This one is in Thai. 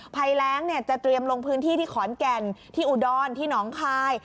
ภัยแรงจะเตรียมลงพื้นที่ที่ขอนแก่นที่อุดรที่หนองคาย